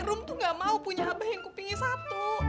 ruh tuh ga mau punya abah yang kupingnya satu